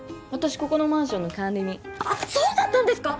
ここのマンションの管理人そうだったんですか！